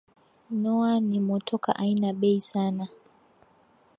Noah ni motoka aina bei sana